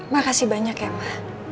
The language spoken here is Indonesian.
makasih banyak ya ma